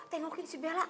tengokin si bella